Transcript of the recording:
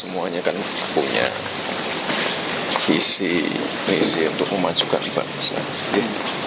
semuanya kan punya visi misi untuk memajukan bangsa